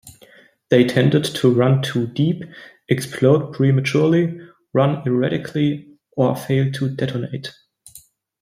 They tended to run too deep, explode prematurely, run erratically, or fail to detonate.